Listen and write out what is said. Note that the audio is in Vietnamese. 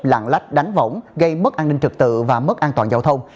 lặng lách đánh vỏng gây mất an ninh trực tự và mất an toàn giao thông